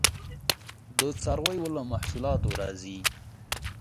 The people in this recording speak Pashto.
د څارویو له محصولاتو راځي